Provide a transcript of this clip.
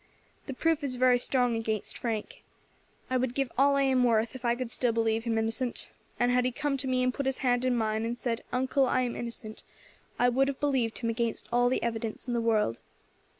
The proof is very strong against Frank. I would give all I am worth if I could still believe him innocent, and had he come to me and put his hand in mine, and said, 'Uncle, I am innocent,' I would have believed him against all the evidence in the world.